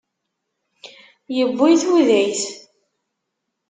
Yewwi tudayt.